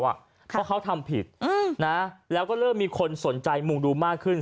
เพราะเขาทำผิดแล้วก็เริ่มมีคนสนใจมุงดูมากขึ้น